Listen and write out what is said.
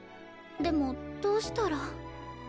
でもどうしたら